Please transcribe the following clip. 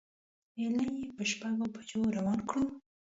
ایله یې په شپږو بجو روان کړو.